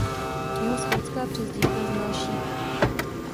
Jeho skautská přezdívka zněla "Šíp".